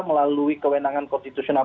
melalui kewenangan konstitusional